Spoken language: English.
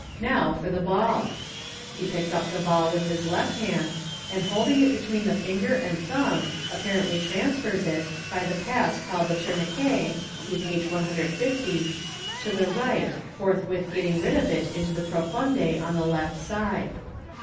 Now for the ball." He picks up the ball with the left hand, and holding it between the finger and thumb, apparently transfers it, by the pass called the tourniquet (see page 150), to the right, forthwith getting rid of it into the profonde on the left side.